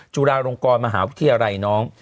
จุฬาลงกรมหาวิทยาลัยน้อง